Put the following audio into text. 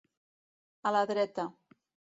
A la dreta.